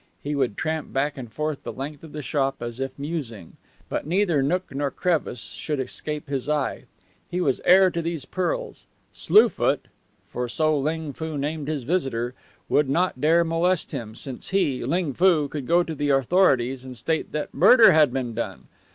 He would tramp back and forth the length of the shop as if musing, but neither nook nor crevice should escape his eye. He was heir to these pearls. Slue Foot for so Ling Foo named his visitor would not dare molest him, since he, Ling Foo, could go to the authorities and state that murder had been done.